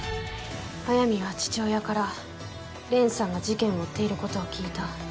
速水は父親から蓮さんが事件を追っていることを聞いた。